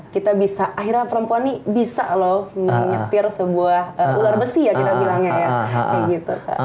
kita bisa akhirnya perempuan nih bisa loh menyetir sebuah ular besi ya kita bilangnya ya